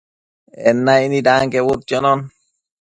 En naicnid anquebudquionon